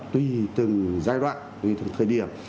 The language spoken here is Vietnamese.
tùy từng giai đoạn tùy từng thời điểm